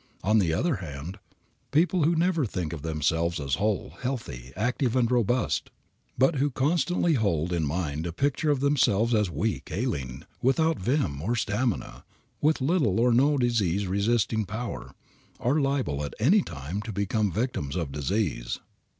On the other hand, people who never think of themselves as whole, healthy, active and robust, but who constantly hold in mind a picture of themselves as weak, ailing, without vim or stamina, with little or no disease resisting power, are liable at any time to become victims of disease.